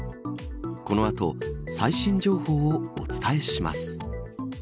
この後、最新情報をお伝えします。